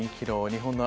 日本の。